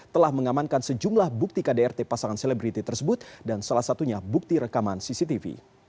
telah mengamankan sejumlah bukti kdrt pasangan selebriti tersebut dan salah satunya bukti rekaman cctv